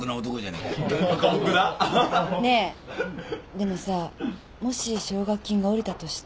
でもさもし奨学金が下りたとして。